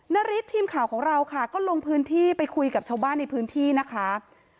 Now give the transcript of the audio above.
นาริสทีมข่าวของเราค่ะก็ลงพื้นที่ไปคุยกับชาวบ้านในพื้นที่นะคะ